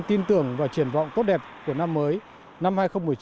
tin tưởng và triển vọng tốt đẹp của năm mới năm hai nghìn một mươi chín